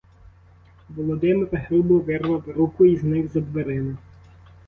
Володимир грубо вирвав руку й зник за дверима.